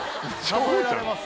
数えられます